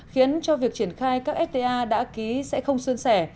khiến cho việc triển khai các fta đã ký sẽ không xuân sẻ